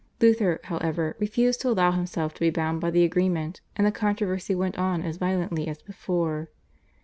Luther, however, refused to allow himself to be bound by the agreement, and the controversy went on as violently as before.